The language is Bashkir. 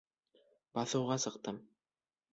Баҫыуға сыҡтым.